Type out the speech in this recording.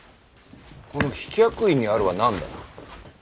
この飛脚印にあるは何だ？